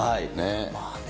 まあね。